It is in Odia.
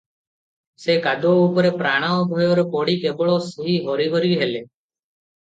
ସେ କାଦୁଅ ଉପରେ ପ୍ରାଣ ଭୟରେ ପଡ଼ି କେବଳ ସେହି ହରିହରି ହେଲେ ।